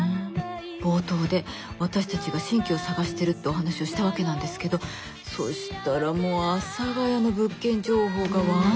冒頭で私たちが新居を探してるってお話をしたわけなんですけどそしたらもう阿佐ヶ谷の物件情報がわんさか送られてきちゃって。